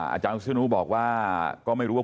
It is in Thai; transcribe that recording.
อาจารย์วิศนุบอกว่าก็ไม่รู้ว่า